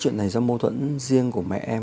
chuyện này do mâu thuẫn riêng của mẹ em